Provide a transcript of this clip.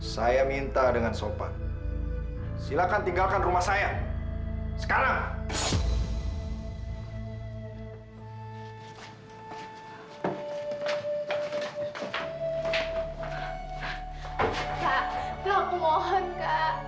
sampai jumpa di video selanjutnya